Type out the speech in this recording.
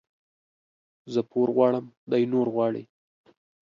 زه پور غواړم ، دى نور غواړي.